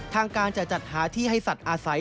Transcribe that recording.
ทางการจะจัดหาที่ให้สัตว์อาศัย